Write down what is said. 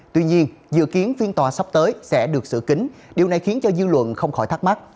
tuy nhiên dự kiến phiên tòa sắp tới sẽ được xử kính điều này khiến cho dư luận không khỏi thắc mắc